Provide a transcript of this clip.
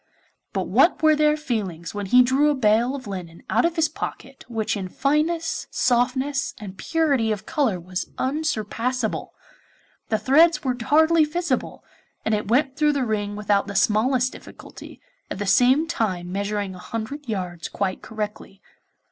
But what were their feelings when he drew a bale of linen out of his pocket which in fineness, softness, and purity of colour was unsurpassable! The threads were hardly visible, and it went through the ring without the smallest difficulty, at the same time measuring a hundred yards quite correctly.